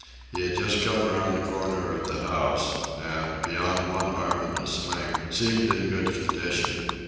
He had just come around the corner of the house, and, beyond one arm in a sling, seemed in good condition.